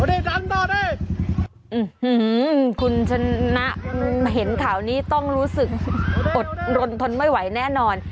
อื้มมมมมมมมคุณชนะเห็นข่าวนี้ต้องรู้สึกอดทนไม่ไหวแน่นอน